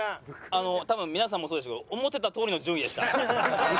あの多分皆さんもそうでしたけど思ってたとおりの順位でした。